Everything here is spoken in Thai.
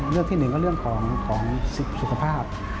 เรื่องที่๑ก็เรื่องของสุขภาพ